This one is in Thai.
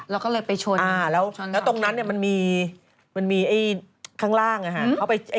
แล้วก็เลยไปชนเซียนนี้